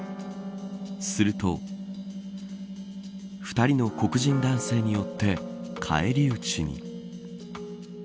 すると２人の黒人男性によって返り討ちに。